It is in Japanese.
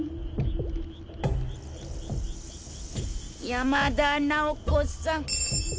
山田奈緒子さん。